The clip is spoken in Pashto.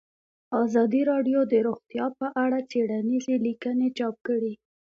ازادي راډیو د روغتیا په اړه څېړنیزې لیکنې چاپ کړي.